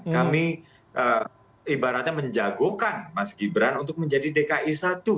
kami ibaratnya menjagokan mas gibran untuk menjadi dki satu